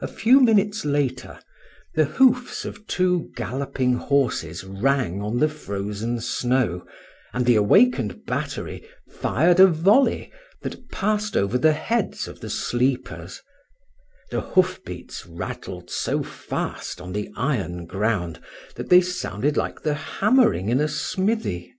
A few minutes later the hoofs of two galloping horses rang on the frozen snow, and the awakened battery fired a volley that passed over the heads of the sleepers; the hoof beats rattled so fast on the iron ground that they sounded like the hammering in a smithy.